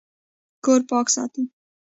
کور پاک ساتئ